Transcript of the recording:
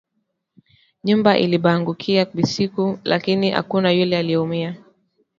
Nyumba ilibaangukia busiku lakini akuna ule aliumiya